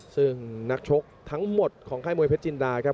ซึ่งนักชกทั้งหมดของค่ายมวยเพชรจินดาครับ